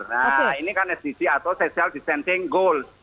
nah ini kan sdc atau social distancing goal